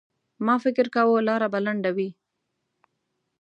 ما فکر کاوه لاره به لنډه وي.